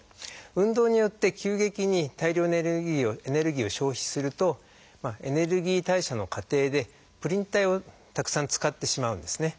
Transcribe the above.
運動によって急激に大量にエネルギーを消費するとエネルギー代謝の過程でプリン体をたくさん使ってしまうんですね。